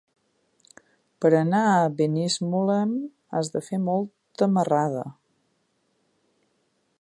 Per anar a Benimuslem has de fer molta marrada.